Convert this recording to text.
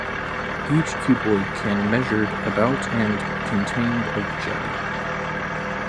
Each cuboid can measured about and contained of jelly.